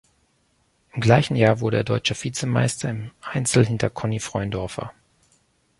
Im gleichen Jahr wurde er Deutscher Vizemeister im Einzel hinter Conny Freundorfer.